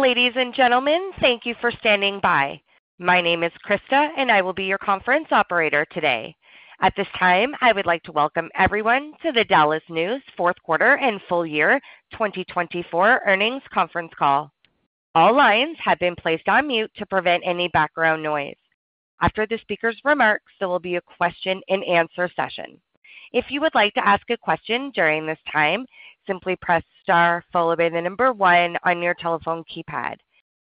Ladies and gentlemen, thank you for standing by. My name is Krista, and I will be your conference operator today. At this time, I would like to welcome everyone to the DallasNews fourth quarter and full year 2024 earnings conference call. All lines have been placed on mute to prevent any background noise. After the speaker's remarks, there will be a question-and-answer session. If you would like to ask a question during this time, simply press star followed by the number one on your telephone keypad.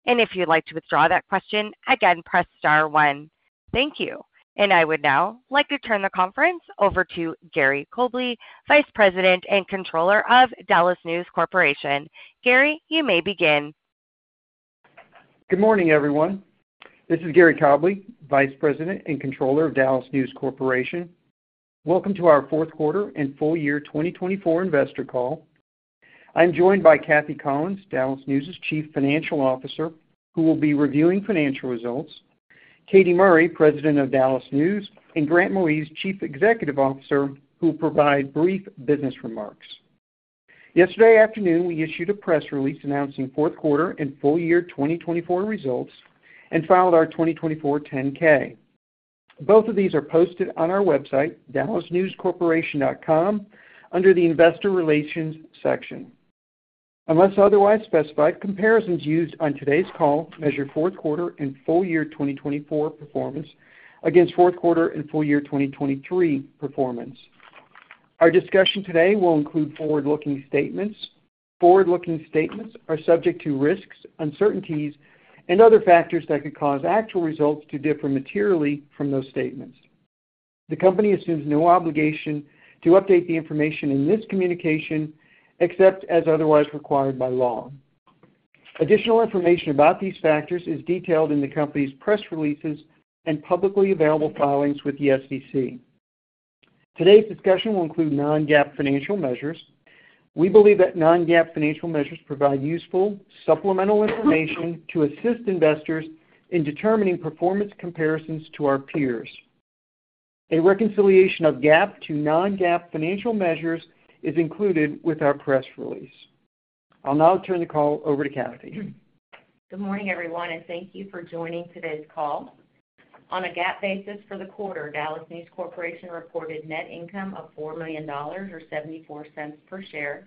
If you'd like to withdraw that question, again, press star one. Thank you. I would now like to turn the conference over to Gary Cobleigh, Vice President and Controller of DallasNews Corporation. Gary, you may begin. Good morning, everyone. This is Gary Cobleigh, Vice President and Controller of DallasNews Corporation. Welcome to our fourth quarter and full year 2024 investor call. I'm joined by Cathy Collins, DallasNews' Chief Financial Officer, who will be reviewing financial results; Katy Murray, President of DallasNews; and Grant Moise, Chief Executive Officer, who will provide brief business remarks. Yesterday afternoon, we issued a press release announcing fourth quarter and full year 2024 results and filed our 2024 10-K. Both of these are posted on our website, dallasnewscorporation.com, under the Investor Relations section. Unless otherwise specified, comparisons used on today's call measure fourth quarter and full year 2024 performance against fourth quarter and full year 2023 performance. Our discussion today will include forward-looking statements. Forward-looking statements are subject to risks, uncertainties, and other factors that could cause actual results to differ materially from those statements. The company assumes no obligation to update the information in this communication except as otherwise required by law. Additional information about these factors is detailed in the company's press releases and publicly available filings with the SEC. Today's discussion will include non-GAAP financial measures. We believe that non-GAAP financial measures provide useful supplemental information to assist investors in determining performance comparisons to our peers. A reconciliation of GAAP to non-GAAP financial measures is included with our press release. I'll now turn the call over to Cathy. Good morning, everyone, and thank you for joining today's call. On a GAAP basis for the quarter, DallasNews Corporation reported net income of $4 million or $0.74 per share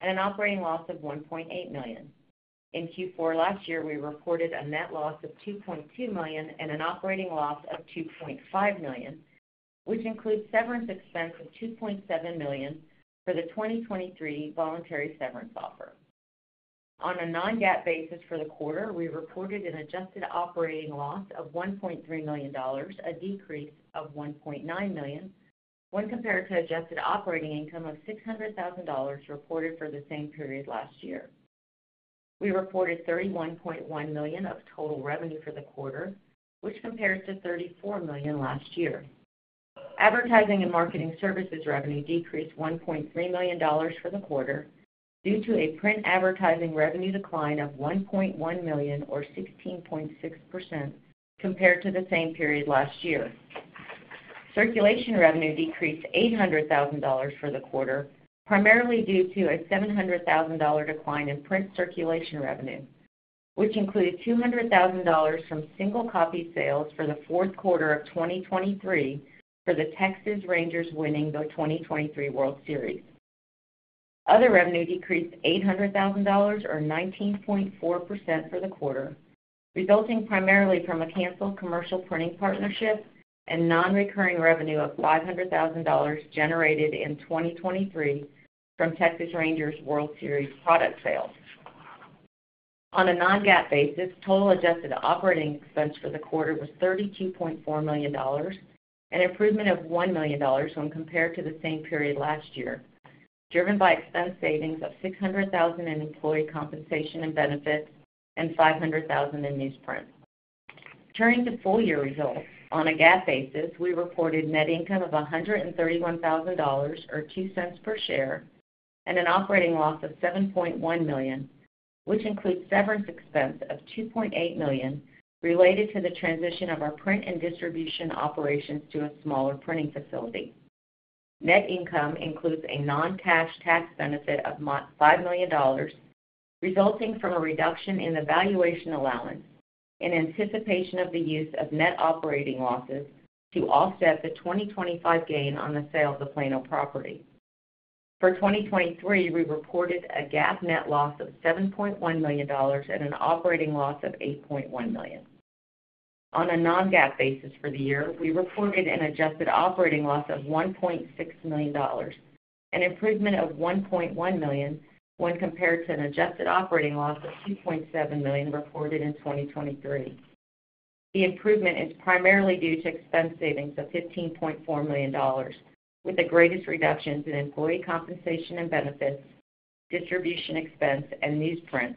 and an operating loss of $1.8 million. In Q4 last year, we reported a net loss of $2.2 million and an operating loss of $2.5 million, which includes severance expense of $2.7 million for the 2023 voluntary severance offer. On a non-GAAP basis for the quarter, we reported an adjusted operating loss of $1.3 million, a decrease of $1.9 million, when compared to adjusted operating income of $600,000 reported for the same period last year. We reported $31.1 million of total revenue for the quarter, which compares to $34 million last year. Advertising and marketing services revenue decreased $1.3 million for the quarter due to a print advertising revenue decline of $1.1 million, or 16.6%, compared to the same period last year. Circulation revenue decreased $800,000 for the quarter, primarily due to a $700,000 decline in print circulation revenue, which included $200,000 from single-copy sales for the fourth quarter of 2023 for the Texas Rangers winning the 2023 World Series. Other revenue decreased $800,000, or 19.4%, for the quarter, resulting primarily from a canceled commercial printing partnership and non-recurring revenue of $500,000 generated in 2023 from Texas Rangers World Series product sales. On a non-GAAP basis, total adjusted operating expense for the quarter was $32.4 million, an improvement of $1 million when compared to the same period last year, driven by expense savings of $600,000 in employee compensation and benefits and $500,000 in newsprint. Turning to full year results, on a GAAP basis, we reported net income of $131,000 or $0.02 per share and an operating loss of $7.1 million, which includes severance expense of $2.8 million related to the transition of our print and distribution operations to a smaller printing facility. Net income includes a non-cash tax benefit of $5 million, resulting from a reduction in the valuation allowance in anticipation of the use of net operating losses to offset the 2025 gain on the sale of the Plano property. For 2023, we reported a GAAP net loss of $7.1 million and an operating loss of $8.1 million. On a non-GAAP basis for the year, we reported an adjusted operating loss of $1.6 million, an improvement of $1.1 million when compared to an adjusted operating loss of $2.7 million reported in 2023. The improvement is primarily due to expense savings of $15.4 million, with the greatest reductions in employee compensation and benefits, distribution expense, and newsprint,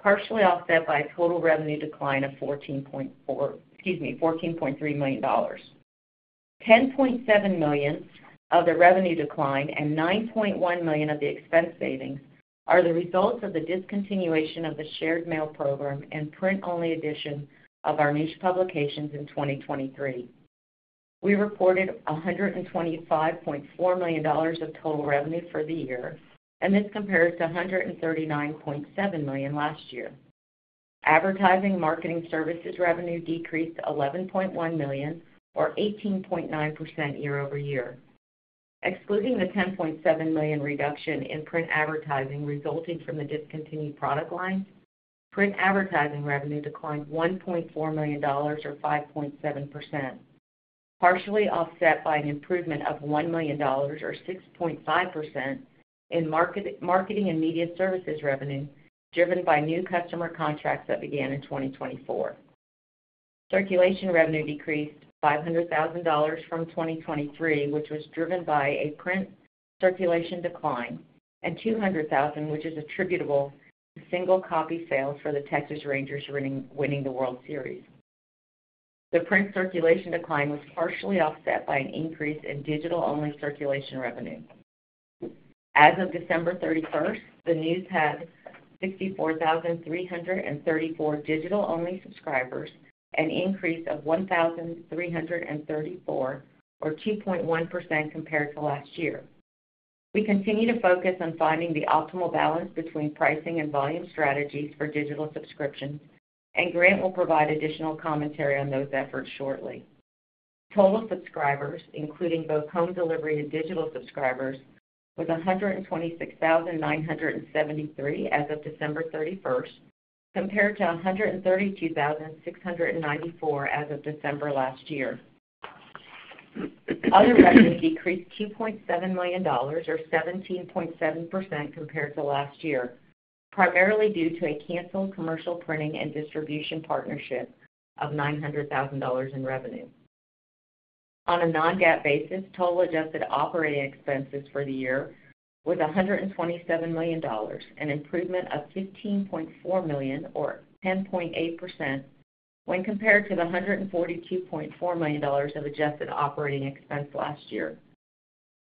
partially offset by a total revenue decline of $14.3 million. $10.7 million of the revenue decline and $9.1 million of the expense savings are the results of the discontinuation of the shared mail program and print-only edition of our news publications in 2023. We reported $125.4 million of total revenue for the year, and this compares to $139.7 million last year. Advertising and marketing services revenue decreased $11.1 million, or 18.9% year over year. Excluding the $10.7 million reduction in print advertising resulting from the discontinued product lines, print advertising revenue declined $1.4 million, or 5.7%, partially offset by an improvement of $1 million, or 6.5%, in marketing and media services revenue driven by new customer contracts that began in 2024. Circulation revenue decreased $500,000 from 2023, which was driven by a print circulation decline, and $200,000, which is attributable to single-copy sales for the Texas Rangers winning the World Series. The print circulation decline was partially offset by an increase in digital-only circulation revenue. As of December 31, the news had 64,334 digital-only subscribers, an increase of 1,334, or 2.1%, compared to last year. We continue to focus on finding the optimal balance between pricing and volume strategies for digital subscriptions, and Grant will provide additional commentary on those efforts shortly. Total subscribers, including both home delivery and digital subscribers, was 126,973 as of December 31, compared to 132,694 as of December last year. Other revenue decreased $2.7 million, or 17.7%, compared to last year, primarily due to a canceled commercial printing and distribution partnership of $900,000 in revenue. On a non-GAAP basis, total adjusted operating expenses for the year was $127 million, an improvement of $15.4 million, or 10.8%, when compared to the $142.4 million of adjusted operating expense last year.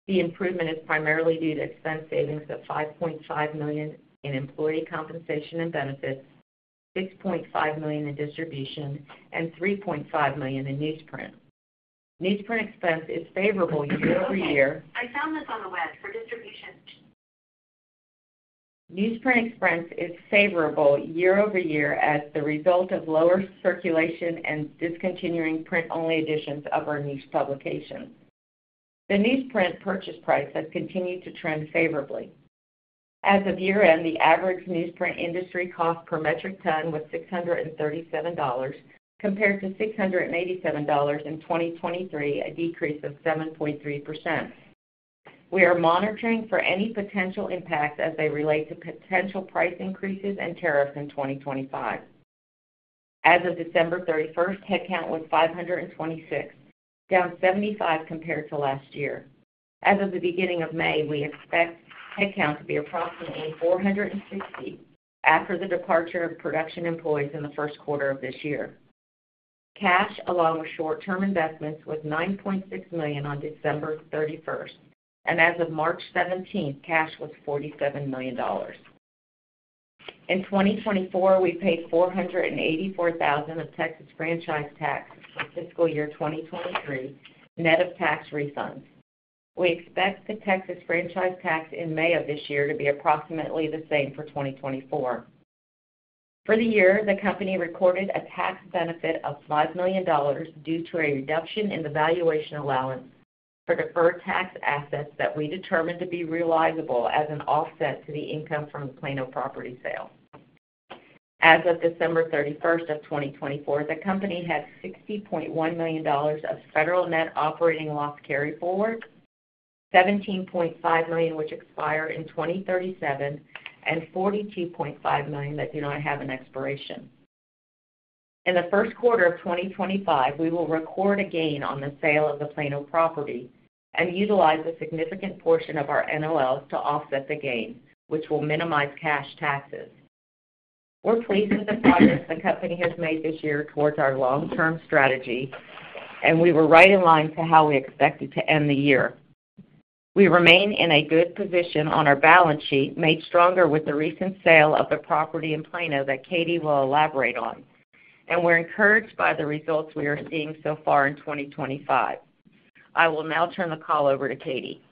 The improvement is primarily due to expense savings of $5.5 million in employee compensation and benefits, $6.5 million in distribution, and $3.5 million in newsprint. Newsprint expense is favorable year over year. Newsprint expense is favorable year over year as the result of lower circulation and discontinuing print-only editions of our news publications. The newsprint purchase price has continued to trend favorably. As of year-end, the average newsprint industry cost per metric ton was $637, compared to $687 in 2023, a decrease of 7.3%. We are monitoring for any potential impacts as they relate to potential price increases and tariffs in 2025. As of December 31st, headcount was 526, down 75 compared to last year. As of the beginning of May, we expect headcount to be approximately 460 after the departure of production employees in the first quarter of this year. Cash, along with short-term investments, was $9.6 million on December 31st, and as of March 17th, cash was $47 million. In 2024, we paid $484,000 of Texas franchise tax for fiscal year 2023, net of tax refunds. We expect the Texas franchise tax in May of this year to be approximately the same for 2024. For the year, the company recorded a tax benefit of $5 million due to a reduction in the valuation allowance for deferred tax assets that we determined to be realizable as an offset to the income from the Plano property sale. As of December 31, 2024, the company had $60.1 million of federal net operating loss carry forward, $17.5 million which expire in 2037, and $42.5 million that do not have an expiration. In the first quarter of 2025, we will record a gain on the sale of the Plano property and utilize a significant portion of our NOLs to offset the gain, which will minimize cash taxes. We're pleased with the progress the company has made this year towards our long-term strategy, and we were right in line to how we expected to end the year. We remain in a good position on our balance sheet, made stronger with the recent sale of the property in Plano that Katy will elaborate on, and we're encouraged by the results we are seeing so far in 2025. I will now turn the call over to Katy.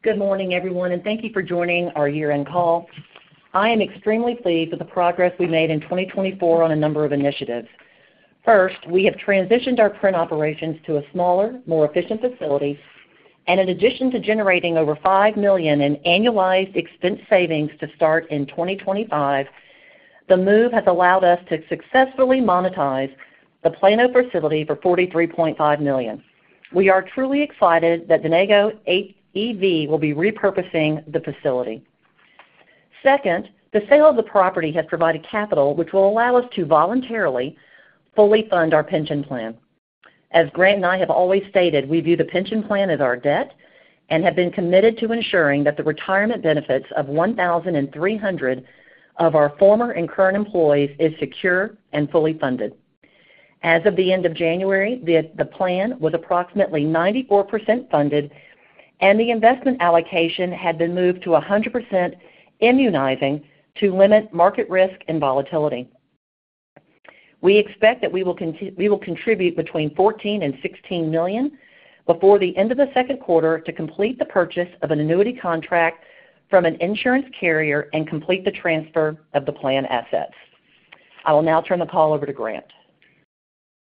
Good morning, everyone, and thank you for joining our year-end call. I am extremely pleased with the progress we made in 2024 on a number of initiatives. First, we have transitioned our print operations to a smaller, more efficient facility, and in addition to generating over $5 million in annualized expense savings to start in 2025, the move has allowed us to successfully monetize the Plano facility for $43.5 million. We are truly excited that Denago EV will be repurposing the facility. Second, the sale of the property has provided capital, which will allow us to voluntarily fully fund our pension plan. As Grant and I have always stated, we view the pension plan as our debt and have been committed to ensuring that the retirement benefits of 1,300 of our former and current employees are secure and fully funded. As of the end of January, the plan was approximately 94% funded, and the investment allocation had been moved to 100% immunizing to limit market risk and volatility. We expect that we will contribute between $14 million and $16 million before the end of the second quarter to complete the purchase of an annuity contract from an insurance carrier and complete the transfer of the plan assets. I will now turn the call over to Grant.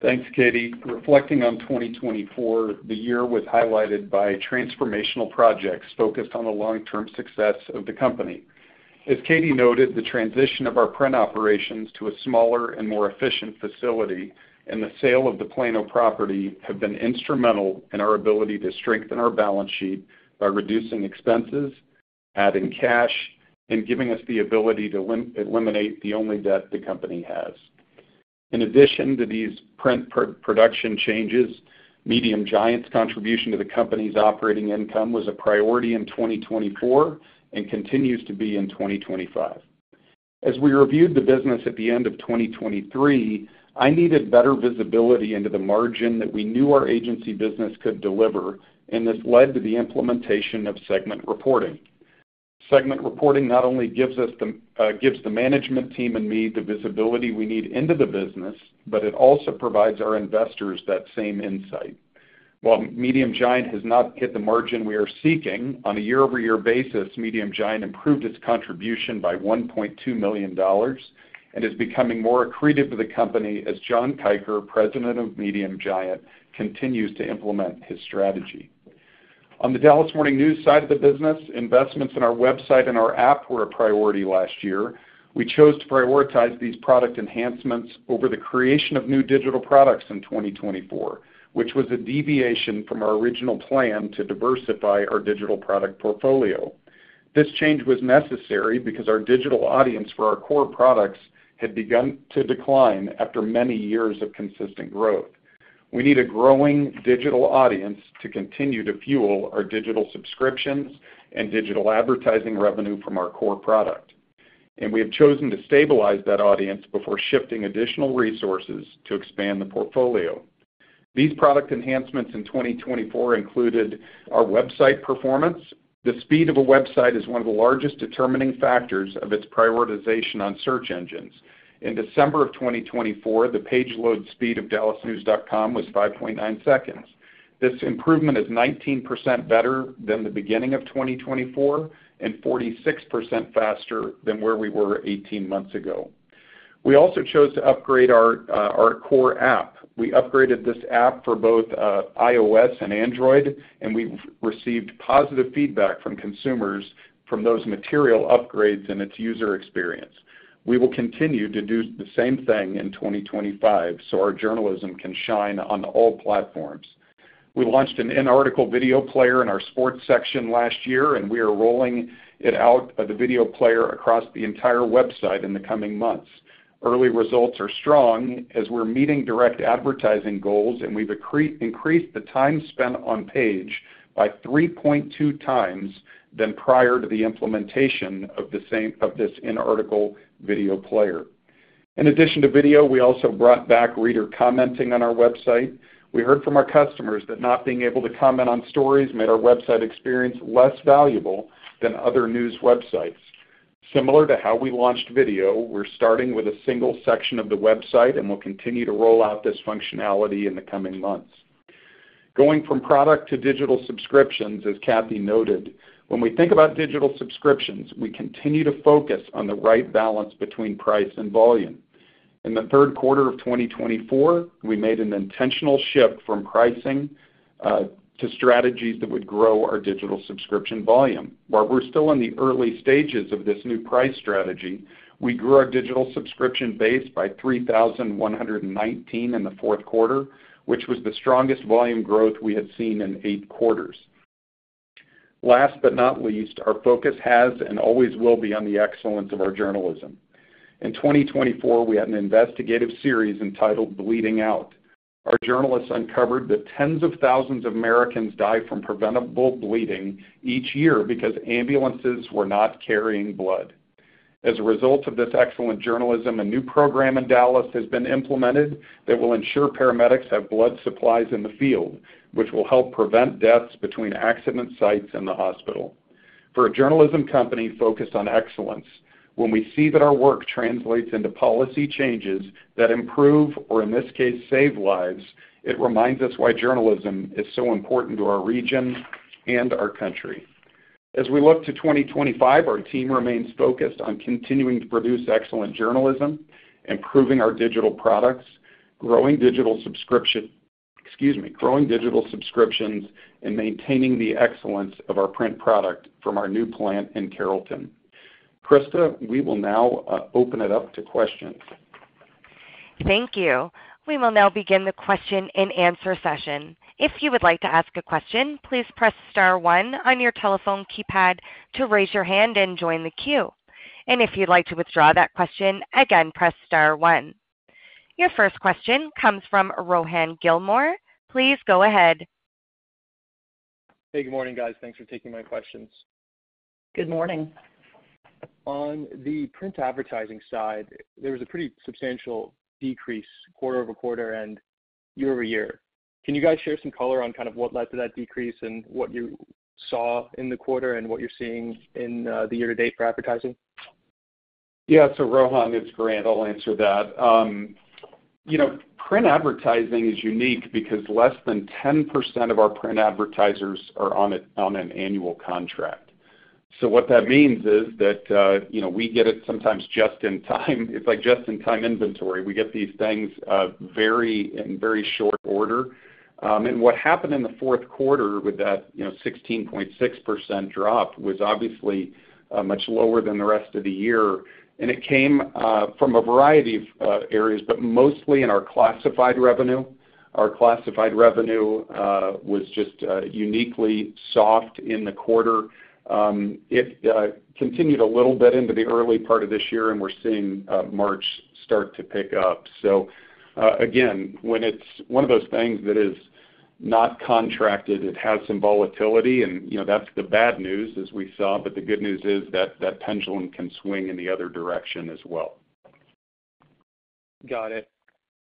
Thanks, Katy. Reflecting on 2024, the year was highlighted by transformational projects focused on the long-term success of the company. As Katy noted, the transition of our print operations to a smaller and more efficient facility and the sale of the Plano property have been instrumental in our ability to strengthen our balance sheet by reducing expenses, adding cash, and giving us the ability to eliminate the only debt the company has. In addition to these print production changes, Medium Giant's contribution to the company's operating income was a priority in 2024 and continues to be in 2025. As we reviewed the business at the end of 2023, I needed better visibility into the margin that we knew our agency business could deliver, and this led to the implementation of segment reporting. Segment reporting not only gives the management team and me the visibility we need into the business, but it also provides our investors that same insight. While Medium Giant has not hit the margin we are seeking, on a year-over-year basis, Medium Giant improved its contribution by $1.2 million and is becoming more accretive to the company as John Kiser We need a growing digital audience to continue to fuel our digital subscriptions and digital advertising revenue from our core product, and we have chosen to stabilize that audience before shifting additional resources to expand the portfolio. These product enhancements in 2024 included our website performance. The speed of a website is one of the largest determining factors of its prioritization on search engines. In December of 2024, the page load speed of DallasNews.com was 5.9 seconds. This improvement is 19% better than the beginning of 2024 and 46% faster than where we were 18 months ago. We also chose to upgrade our core app. We upgraded this app for both iOS and Android, and we've received positive feedback from consumers from those material upgrades and its user experience. We will continue to do the same thing in 2025 so our journalism can shine on all platforms. We launched an in-article video player in our sports section last year, and we are rolling it out of the video player across the entire website in the coming months. Early results are strong as we're meeting direct advertising goals, and we've increased the time spent on page by 3.2 times than prior to the implementation of this in-article video player. In addition to video, we also brought back reader commenting on our website. We heard from our customers that not being able to comment on stories made our website experience less valuable than other news websites. Similar to how we launched video, we're starting with a single section of the website and will continue to roll out this functionality in the coming months. Going from product to digital subscriptions, as Cathy noted, when we think about digital subscriptions, we continue to focus on the right balance between price and volume. In the third quarter of 2024, we made an intentional shift from pricing to strategies that would grow our digital subscription volume. While we're still in the early stages of this new price strategy, we grew our digital subscription base by 3,119 in the fourth quarter, which was the strongest volume growth we had seen in eight quarters. Last but not least, our focus has and always will be on the excellence of our journalism. In 2024, we had an investigative series entitled Bleeding Out. Our journalists uncovered that tens of thousands of Americans die from preventable bleeding each year because ambulances were not carrying blood. As a result of this excellent journalism, a new program in Dallas has been implemented that will ensure paramedics have blood supplies in the field, which will help prevent deaths between accident sites and the hospital. For a journalism company focused on excellence, when we see that our work translates into policy changes that improve or, in this case, save lives, it reminds us why journalism is so important to our region and our country. As we look to 2025, our team remains focused on continuing to produce excellent journalism, improving our digital products, growing digital subscriptions and maintaining the excellence of our print product from our new plant in Carrollton. Krista, we will now open it up to questions. Thank you. We will now begin the question and answer session. If you would like to ask a question, please press star one on your telephone keypad to raise your hand and join the queue. If you'd like to withdraw that question, again, press star one. Your first question comes from Rohan Gilmore. Please go ahead. Hey, good morning, guys. Thanks for taking my questions. Good morning. On the print advertising side, there was a pretty substantial decrease quarter over quarter and year over year. Can you guys share some color on kind of what led to that decrease and what you saw in the quarter and what you're seeing in the year-to-date for advertising? Yeah, Rohan, it's Grant. I'll answer that. Print advertising is unique because less than 10% of our print advertisers are on an annual contract. What that means is that we get it sometimes just in time. It's like just-in-time inventory. We get these things in very short order. What happened in the fourth quarter with that 16.6% drop was obviously much lower than the rest of the year. It came from a variety of areas, but mostly in our classified revenue. Our classified revenue was just uniquely soft in the quarter. It continued a little bit into the early part of this year, and we're seeing March start to pick up. When it's one of those things that is not contracted, it has some volatility, and that's the bad news, as we saw. The good news is that that pendulum can swing in the other direction as well. Got it.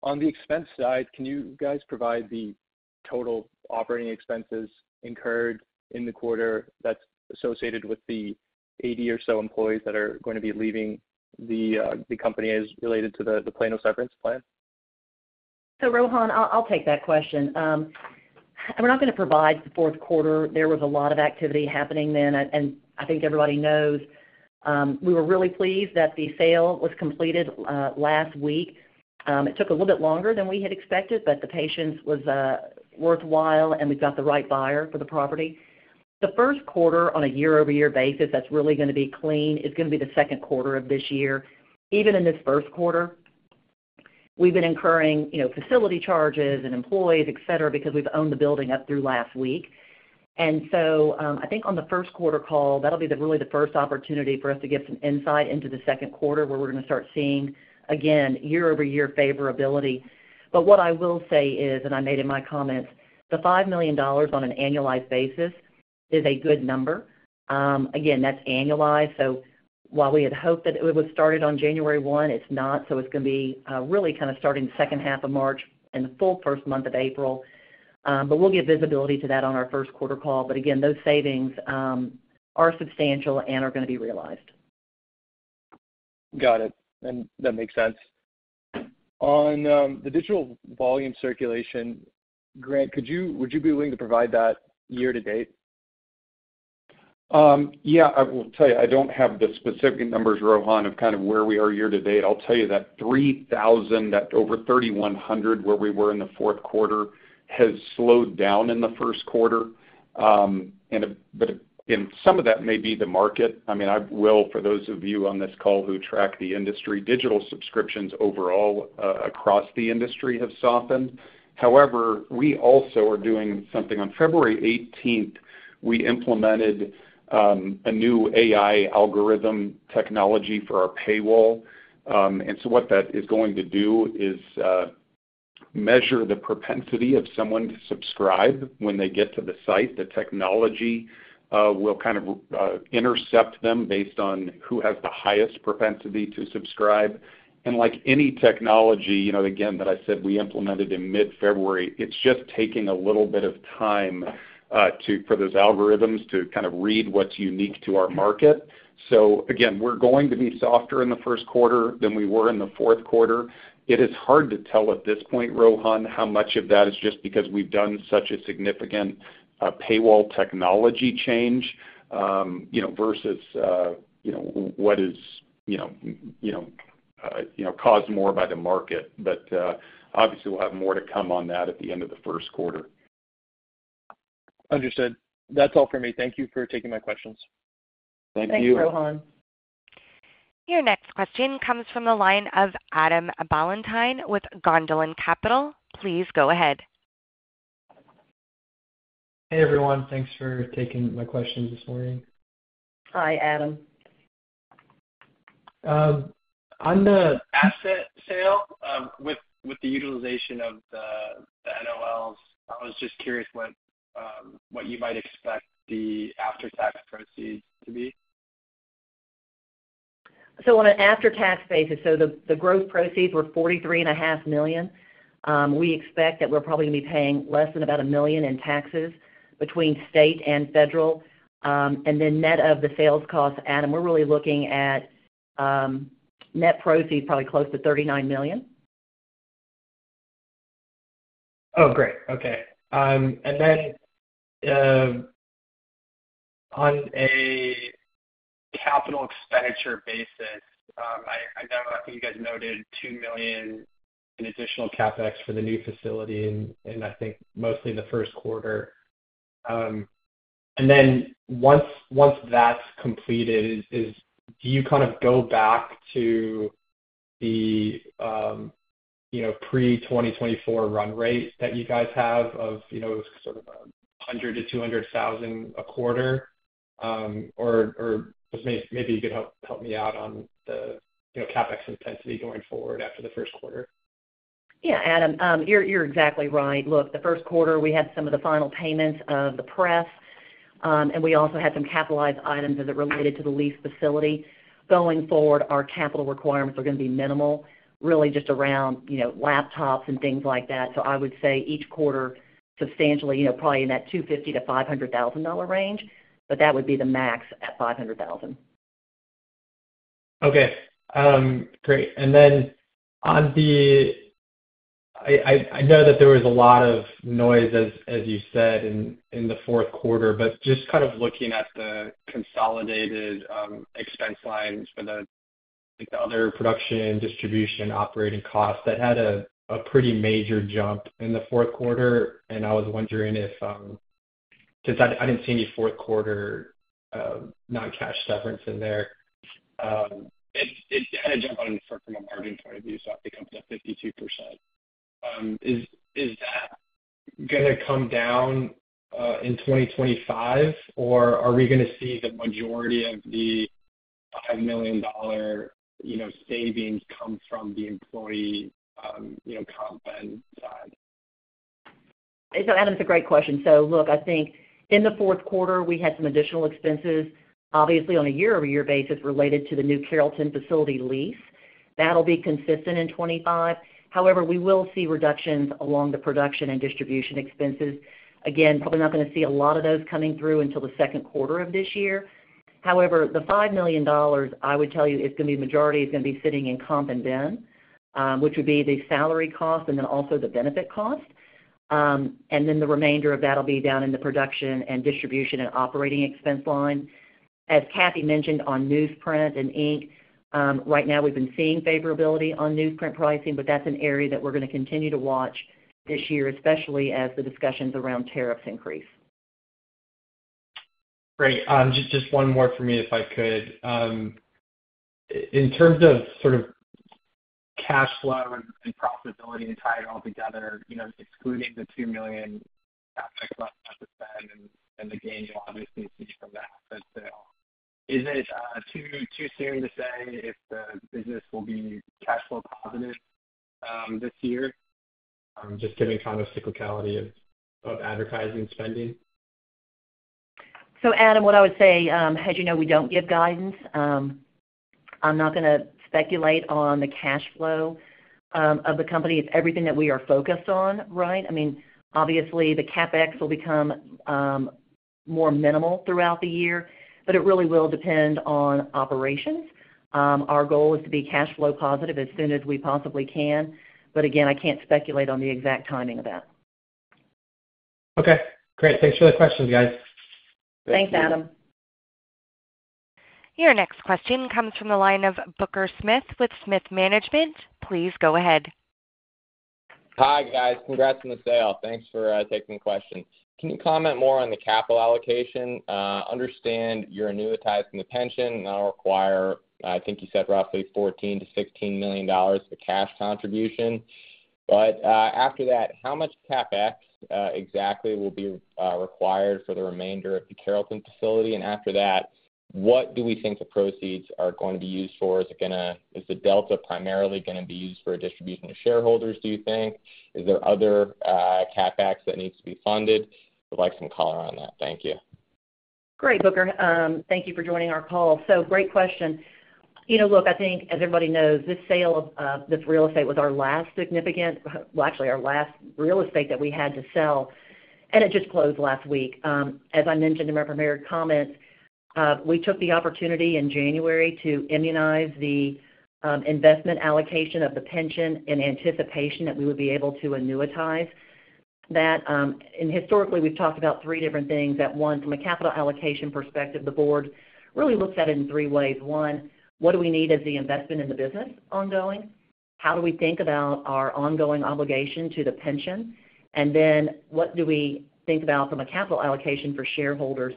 On the expense side, can you guys provide the total operating expenses incurred in the quarter that's associated with the 80 or so employees that are going to be leaving the company as related to the Plano severance plan? Rohan, I'll take that question. We're not going to provide the fourth quarter. There was a lot of activity happening then, and I think everybody knows we were really pleased that the sale was completed last week. It took a little bit longer than we had expected, but the patience was worthwhile, and we've got the right buyer for the property. The first quarter, on a year-over-year basis, that's really going to be clean is going to be the second quarter of this year. Even in this first quarter, we've been incurring facility charges and employees, etc., because we've owned the building up through last week. I think on the first quarter call, that'll be really the first opportunity for us to get some insight into the second quarter where we're going to start seeing, again, year-over-year favorability. What I will say is, and I made it my comments, the $5 million on an annualized basis is a good number. Again, that's annualized. While we had hoped that it was started on January 1, it's not. It's going to be really kind of starting the second half of March and the full first month of April. We'll get visibility to that on our first quarter call. Again, those savings are substantial and are going to be realized. Got it. That makes sense. On the digital volume circulation, Grant, would you be willing to provide that year-to-date? Yeah. I will tell you, I do not have the specific numbers, Rohan, of kind of where we are year-to-date. I will tell you that 3,000, that over 3,100 where we were in the fourth quarter has slowed down in the first quarter. Some of that may be the market. I mean, for those of you on this call who track the industry, digital subscriptions overall across the industry have softened. However, we also are doing something. On February 18th, we implemented a new AI algorithm technology for our paywall. What that is going to do is measure the propensity of someone to subscribe when they get to the site. The technology will kind of intercept them based on who has the highest propensity to subscribe. Like any technology, again, that I said we implemented in mid-February, it's just taking a little bit of time for those algorithms to kind of read what's unique to our market. Again, we're going to be softer in the first quarter than we were in the fourth quarter. It is hard to tell at this point, Rohan, how much of that is just because we've done such a significant paywall technology change versus what is caused more by the market. Obviously, we'll have more to come on that at the end of the first quarter. Understood. That's all for me. Thank you for taking my questions. Thank you. Thanks, Rohan. Your next question comes from the line of Adam Ballantyne with Gondolin Capital. Please go ahead. Hey, everyone. Thanks for taking my questions this morning. Hi, Adam. On the asset sale, with the utilization of the NOLs, I was just curious what you might expect the after-tax proceeds to be. On an after-tax basis, the gross proceeds were $43.5 million. We expect that we're probably going to be paying less than about $1 million in taxes between state and federal. Net of the sales costs, Adam, we're really looking at net proceeds probably close to $39 million. Oh, great. Okay. On a capital expenditure basis, I know I think you guys noted $2 million in additional CapEx for the new facility in, I think, mostly the first quarter. Once that's completed, do you kind of go back to the pre-2024 run rate that you guys have of sort of $100,000 to $200,000 a quarter? Or maybe you could help me out on the CapEx intensity going forward after the first quarter. Yeah, Adam, you're exactly right. Look, the first quarter, we had some of the final payments of the press, and we also had some capitalized items as it related to the lease facility. Going forward, our capital requirements are going to be minimal, really just around laptops and things like that. I would say each quarter substantially, probably in that $250,000-$500,000 range, but that would be the max at $500,000. Okay. Great. I know that there was a lot of noise, as you said, in the fourth quarter, but just kind of looking at the consolidated expense lines for the other production, distribution, operating costs, that had a pretty major jump in the fourth quarter. I was wondering if since I did not see any fourth quarter non-cash severance in there, it had a jump from a margin point of view, so I think up to 52%. Is that going to come down in 2025, or are we going to see the majority of the $5 million savings come from the employee comp and side? Adam, it's a great question. Look, I think in the fourth quarter, we had some additional expenses, obviously on a year-over-year basis related to the new Carrollton facility lease. That will be consistent in 2025. However, we will see reductions along the production and distribution expenses. Again, probably not going to see a lot of those coming through until the second quarter of this year. However, the $5 million, I would tell you, the majority is going to be sitting in comp and bin, which would be the salary cost and then also the benefit cost. The remainder of that will be down in the production and distribution and operating expense line. As Cathy mentioned on newsprint and ink, right now we've been seeing favorability on newsprint pricing, but that's an area that we're going to continue to watch this year, especially as the discussions around tariffs increase. Great. Just one more for me, if I could. In terms of sort of cash flow and profitability and tie it all together, excluding the $2 million CapEx left to spend and the gain you'll obviously see from the asset sale, is it too soon to say if the business will be cash flow positive this year, just given kind of cyclicality of advertising spending? Adam, what I would say, as you know, we don't give guidance. I'm not going to speculate on the cash flow of the company. It's everything that we are focused on, right? I mean, obviously, the CapEx will become more minimal throughout the year, but it really will depend on operations. Our goal is to be cash flow positive as soon as we possibly can. Again, I can't speculate on the exact timing of that. Okay. Great. Thanks for the questions, guys. Thanks, Adam. Your next question comes from the line of Booker Smith with Smith Management. Please go ahead. Hi, guys. Congrats on the sale. Thanks for taking the question. Can you comment more on the capital allocation? Understand you're annuitizing the pension and now require, I think you said, roughly $14 million-$16 million of cash contribution. After that, how much CapEx exactly will be required for the remainder of the Carrollton facility? After that, what do we think the proceeds are going to be used for? Is the delta primarily going to be used for a distribution to shareholders, do you think? Is there other CapEx that needs to be funded? We'd like some color on that. Thank you. Great, Booker. Thank you for joining our call. Great question. Look, I think, as everybody knows, this sale of this real estate was our last significant, actually, our last real estate that we had to sell. It just closed last week. As I mentioned in my premier comments, we took the opportunity in January to immunize the investment allocation of the pension in anticipation that we would be able to annuitize that. Historically, we have talked about three different things. One, from a capital allocation perspective, the board really looks at it in three ways. One, what do we need as the investment in the business ongoing? How do we think about our ongoing obligation to the pension? What do we think about from a capital allocation for shareholders?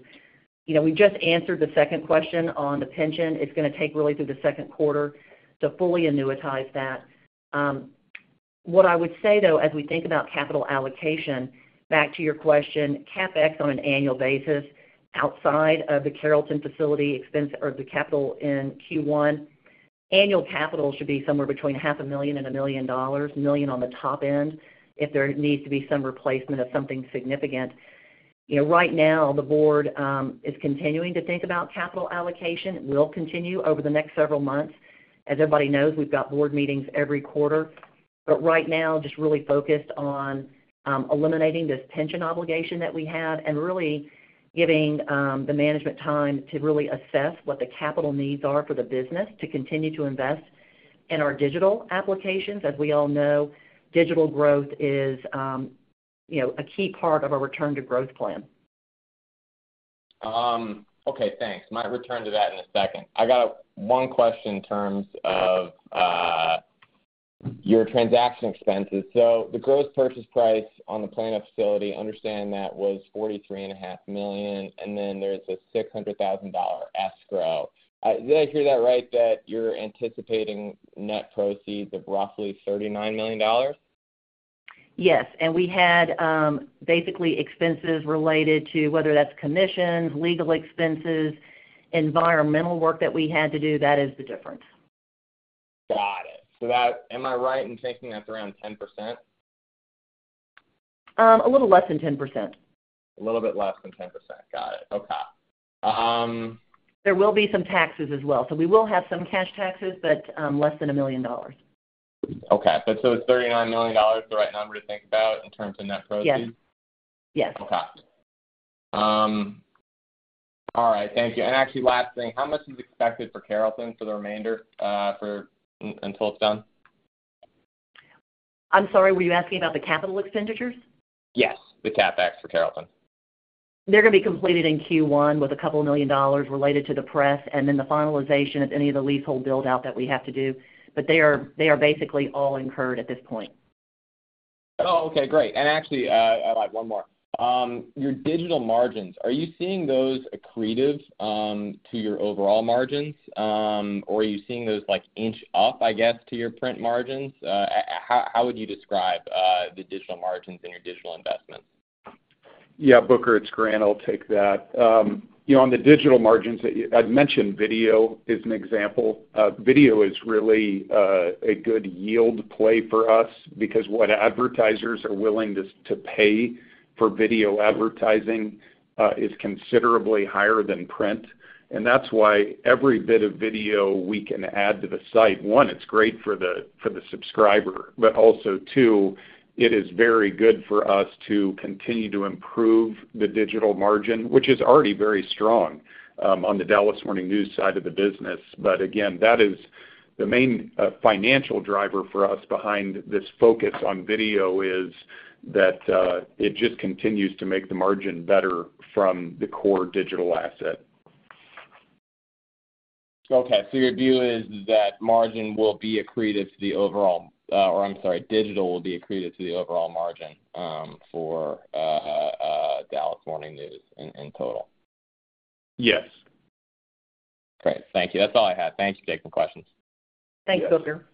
We just answered the second question on the pension. It's going to take really through the second quarter to fully annuitize that. What I would say, though, as we think about capital allocation, back to your question, CapEx on an annual basis outside of the Carrollton facility expense or the capital in Q1, annual capital should be somewhere between $500,000-$1,000,000, $1,000,000 on the top end if there needs to be some replacement of something significant. Right now, the board is continuing to think about capital allocation. It will continue over the next several months. As everybody knows, we've got board meetings every quarter. Right now, just really focused on eliminating this pension obligation that we have and really giving the management time to really assess what the capital needs are for the business to continue to invest in our digital applications. As we all know, digital growth is a key part of our return-to-growth plan. Okay. Thanks. Might return to that in a second. I got one question in terms of your transaction expenses. So the gross purchase price on the Plano facility, understand that was $43.5 million. And then there's a $600,000 escrow. Did I hear that right, that you're anticipating net proceeds of roughly $39 million? Yes. We had basically expenses related to whether that's commissions, legal expenses, environmental work that we had to do. That is the difference. Got it. Am I right in thinking that's around 10%? A little less than 10%. A little bit less than 10%. Got it. Okay. There will be some taxes as well. We will have some cash taxes, but less than $1 million. Okay. Is $39 million the right number to think about in terms of net proceeds? Yes. Yes. Okay. All right. Thank you. Actually, last thing, how much is expected for Carrollton for the remainder until it's done? I'm sorry. Were you asking about the capital expenditures? Yes. The CapEx for Carrollton. They're going to be completed in Q1 with a couple of million dollars related to the press and then the finalization of any of the leasehold build-out that we have to do. They are basically all incurred at this point. Oh, okay. Great. Actually, I have one more. Your digital margins, are you seeing those accretive to your overall margins, or are you seeing those inch up, I guess, to your print margins? How would you describe the digital margins and your digital investments? Yeah. Booker, it's Grant, I'll take that. On the digital margins, I'd mention video is an example. Video is really a good yield play for us because what advertisers are willing to pay for video advertising is considerably higher than print. That's why every bit of video we can add to the site, one, it's great for the subscriber, but also, two, it is very good for us to continue to improve the digital margin, which is already very strong on The Dallas Morning News side of the business. That is the main financial driver for us behind this focus on video, that it just continues to make the margin better from the core digital asset. Okay. Your view is that margin will be accretive to the overall, or I'm sorry, digital will be accretive to the overall margin for The Dallas Morning News in total? Yes. Great. Thank you. That's all I had. Thank you for taking the questions. Thanks, Booker.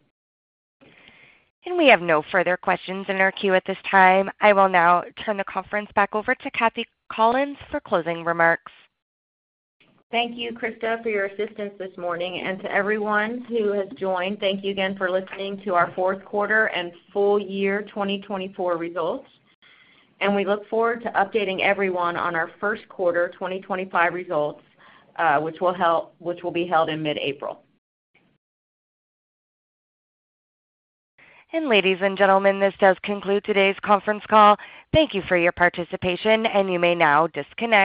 We have no further questions in our queue at this time. I will now turn the conference back over to Cathy Collins for closing remarks. Thank you, Krista, for your assistance this morning. To everyone who has joined, thank you again for listening to our fourth quarter and full year 2024 results. We look forward to updating everyone on our first quarter 2025 results, which will be held in mid-April. Ladies and gentlemen, this does conclude today's conference call. Thank you for your participation, and you may now disconnect.